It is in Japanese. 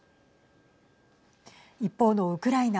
一方のウクライナ。